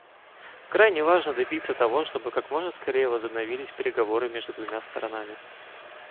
Крайне важно добиться того, чтобы как можно скорее возобновились переговоры между двумя сторонами.